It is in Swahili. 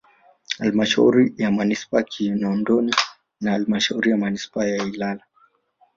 Halmashauri ya Manispaa ya Kinondoni na halmasahauri ya manispaa ya Ilala